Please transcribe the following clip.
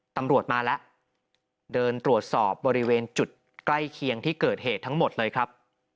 ตำรวจมาแล้วเดินตรวจสอบบริเวณจุดใกล้เคียงที่เกิดเหตุทั้งหมดเลยครับ